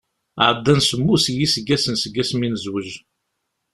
Ɛeddan semmus n yiseggasen seg wasmi i nezwej.